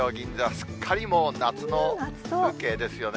すっかりもう夏の風景ですよね。